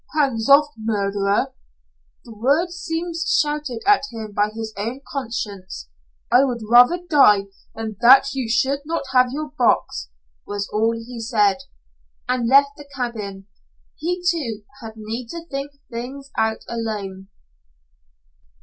"Hands off, murderer!" The words seemed shouted at him by his own conscience. "I would rather die than that you should not have your box," was all he said, and left the cabin. He, too, had need to think things out alone.